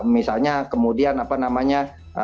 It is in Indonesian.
misalnya kemudian apa namanya